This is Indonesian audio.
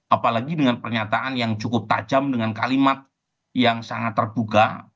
apalagi dengan pernyataan yang cukup tajam dengan kalimat yang sangat terbuka